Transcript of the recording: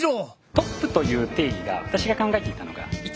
トップという定義が私が考えていたのが一番の営業マン。